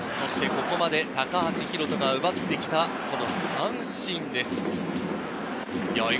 ここまで高橋宏斗が奪ってきた三振です。